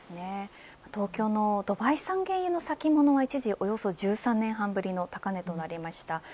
東京のドバイ産原油の先物は一時およそ１３年半ぶりの高値となりました。